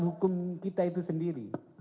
hukum kita itu sendiri